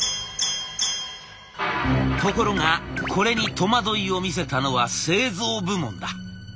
ところがこれに戸惑いを見せたのは製造部門だ。